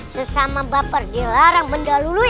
sesama baper dilarang benda lului